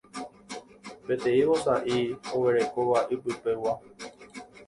peteĩ vosa'i oguerekóva ipypegua